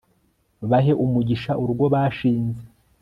bahe umugisha urugo bashinze